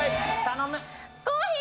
頼む！